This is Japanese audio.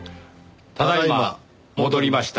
ただいま戻りました。